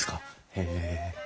へえ。